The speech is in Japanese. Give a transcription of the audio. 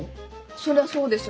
そりゃそうでしょ。